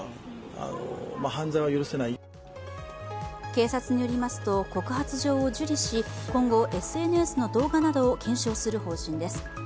警察によりますと、告発状を受理し今後ＳＮＳの動画などを検証する方針です。